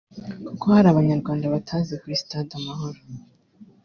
Kuko hari Abanyarwanda batazi kuri stade Amahoro